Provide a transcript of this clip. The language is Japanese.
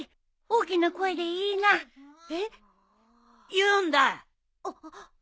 言うんだ！